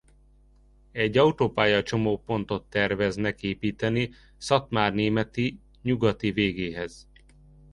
Egy autópálya-csomópontot terveznek építeni Szatmárnémeti nyugati végéhez.